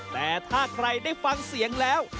แต่ถ้าใครได้ฟังเสียงแล้ว